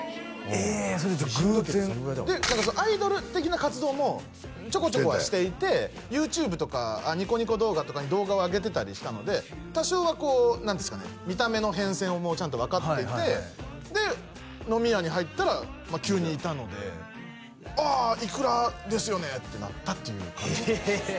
えそれで偶然でアイドル的な活動もちょこちょこはしていてＹｏｕＴｕｂｅとかニコニコ動画とかに動画を上げてたりしたので多少はこう何ていうんですかね見た目の変遷をちゃんと分かっててで飲み屋に入ったら急にいたので「ああいくらですよね？」ってなったという感じですえ